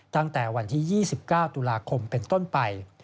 ตั้งแต่วันที่๒๙ตุลาคมเป็นต้นไป